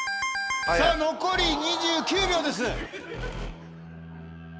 残り２９秒です。